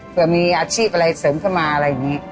เพื่อมีอาชีพอะไรเสริมเข้ามาอะไรอย่างนี้